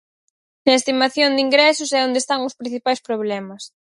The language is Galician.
Na estimación de ingresos é onde están os principais problemas.